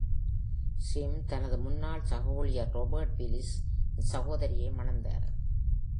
Syme தனது முன்னாள் சக ஊழியர் Robert Willis இன் சகோதரியை மணந்தார்.